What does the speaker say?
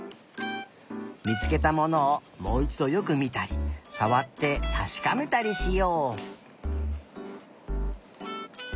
みつけたものをもういちどよくみたりさわってたしかめたりしよう。